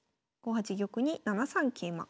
５八玉に７三桂馬。